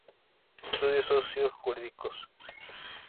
Estudios Socio Jurídicos.